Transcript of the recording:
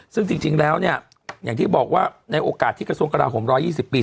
ซึ่งจริงแล้วเนี่ยอย่างที่บอกว่าในโอกาสที่กระทรวงกระลาโหม๑๒๐ปี